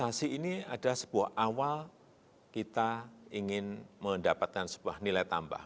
vaksinasi ini adalah sebuah awal kita ingin mendapatkan sebuah nilai tambah